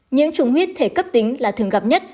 nhiễm trùng huyết thể cấp tính là thường gặp nhất